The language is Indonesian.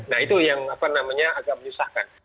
nah itu yang agak menyusahkan